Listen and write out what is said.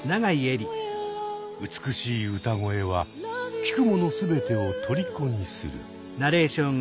美しい歌声は聴くもの全てを虜にする。